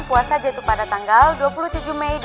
puasa jatuh pada tanggal dua puluh tujuh mei dua ribu tujuh belas